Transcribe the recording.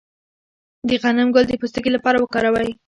د غنم ګل د پوستکي لپاره وکاروئ